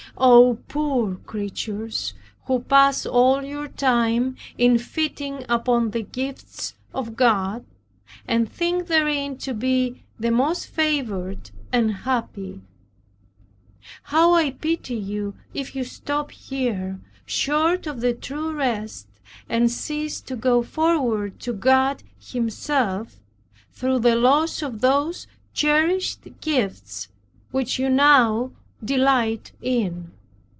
Oh, poor creatures, who pass all your time in feeding upon the gifts of God, and think therein to be the most favored and happy. How I pity you if you stop here, short of the true rest, and cease to go forward to God Himself, through the loss of those cherished gifts which you now delight in!